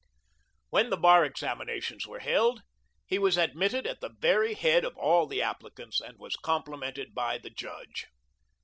When the bar examinations were held, he was admitted at the very head of all the applicants, and was complimented by the judge.